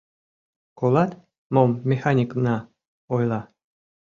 — Колат, мом механикна ойла?